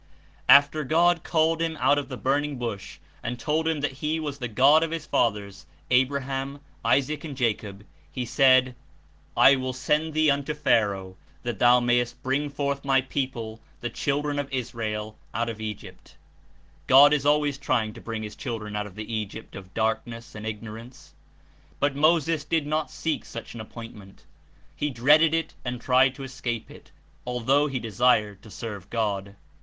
After God called to him out of the burning bush and told him that he was the God of his fathers, Abraham, Isaac and Jacob, He said: ^^/ will send thee unto Pharaoh, that thou mayest bring forth my people the children of Israel out of Egypt J^ (God Is always trying to bring his children out of the Egypt of darkness and Ignorance.) But Moses did not seek such an appointment; he dreaded It and tried to escape It, although he de sired to serve God.